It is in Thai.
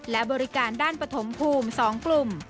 และบริการด้านปฐมภูมิ๒กลุ่ม